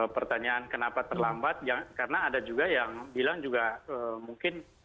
pertanyaan kenapa terlambat karena ada juga yang bilang juga mungkin